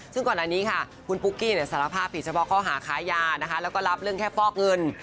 ซึ่งก่อนอันนี้ค่ะคุณปุ๊กกี้สารภาพผิดเฉพาะข้อหาค้ายานะคะแล้วก็รับเรื่องแค่ฟอกเงิน